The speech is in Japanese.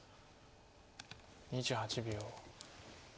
２８秒。